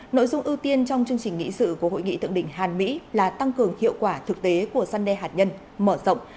nội dung ưu tiên trong chương trình nghị sự của hội nghị thượng đỉnh hàn mỹ là tăng cường hiệu quả thực tế của gian đe hạt nhân mở rộng